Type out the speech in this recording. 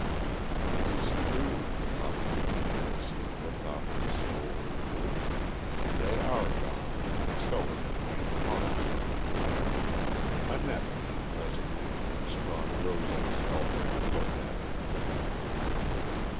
"It is true," thought the young man as he looked off at the smouldering woods. "They are gone and so are the green hearts." Annette came presently and Strong rose on his elbow and looked at her.